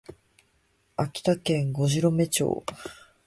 秋田県五城目町